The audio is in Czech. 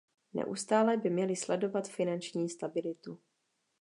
Neustále by měli sledovat finanční stabilitu.